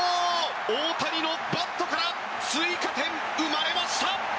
大谷のバットから追加点が生まれました！